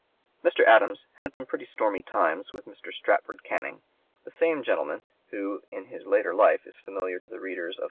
Mr. Adams had some pretty stormy times with Mr. Stratford Canning the same gentleman who in his later life is familiar to the readers of (p.